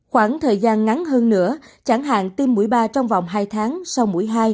khoảng thời gian ngắn hơn nữa chẳng hạn tiêm mũi ba trong vòng hai tháng sau mũi hai